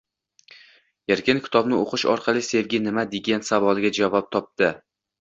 Erkin kitobni o‘qish orqali sevgi nima degan savoliga javob topdi.